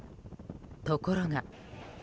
ところが。